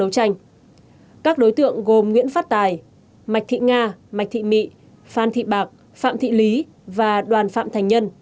các đối tượng gồm nguyễn phát tài mạch thị nga mạc thị mị phan thị bạc phạm thị lý và đoàn phạm thành nhân